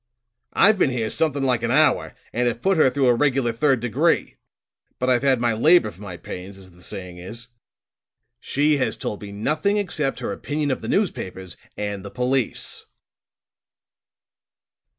I've been here something like an hour and have put her through a regular third degree; but I've had my labor for my pains, as the saying is. She has told me nothing except her opinion of the newspapers and the police."